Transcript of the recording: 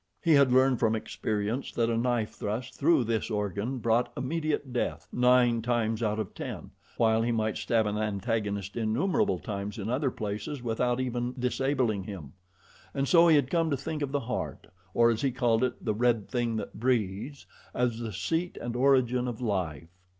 He had learned from experience that a knife thrust through this organ brought immediate death nine times out of ten, while he might stab an antagonist innumerable times in other places without even disabling him. And so he had come to think of the heart, or, as he called it, "the red thing that breathes," as the seat and origin of life.